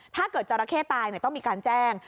ถ้าเกิดเจ้าระแคระตายต้องมีการแจ้ง